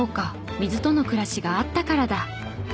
水との暮らしがあったからだ。